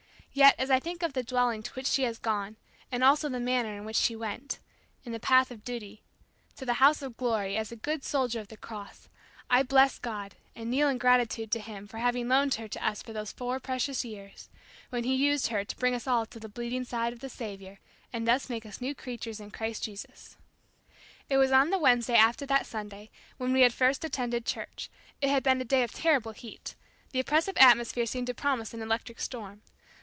Yet as I think of the dwelling to which she has gone, and also the manner in which she went in the path of duty to the House of Glory, as a good soldier of the Cross, I bless God and kneel in gratitude to Him for having loaned her to us for those four precious years when He used her to bring us all to the bleeding side of the Saviour, and thus make us new creatures in Christ Jesus. It was on the Wednesday after that Sunday when we had first attended church. It had been a day of terrible heat. The oppressive atmosphere seemed to promise an electric storm.